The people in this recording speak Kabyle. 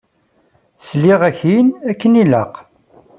Selleɣ-ak-in akken ilaq.